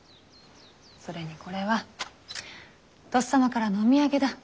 それにこれはとっさまからのお土産だ。